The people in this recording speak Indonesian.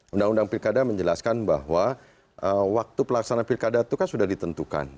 undang undang pilkada menjelaskan bahwa waktu pelaksanaan pilkada itu kan sudah ditentukan